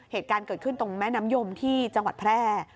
เหตุการณ์เกิดขึ้นตรงแม่น้ำยมที่จังหวัดแพร่